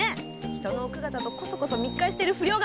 人の奥方とコソコソ密会している不良が！